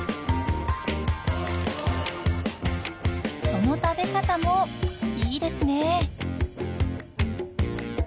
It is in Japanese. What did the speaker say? その食べ方もいいですね。